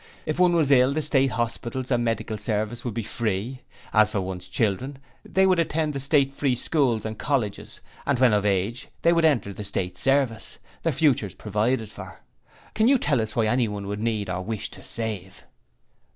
If one was ill the State hospitals and Medical Service would be free. As for one's children, they would attend the State Free Schools and Colleges and when of age they would enter the State Service, their futures provided for. Can you tell us why anyone would need or wish to save?'